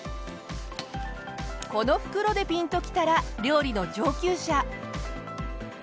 この袋でピンときたら料理の上級者。